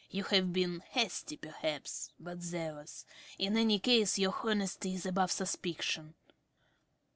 You have been hasty, perhaps, but zealous. In any case, your honesty is above suspicion.